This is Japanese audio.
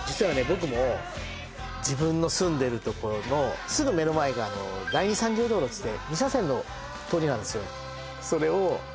僕も自分の住んでる所のすぐ目の前が第二産業道路っていって二車線の通りなんですよ